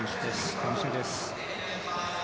楽しみです。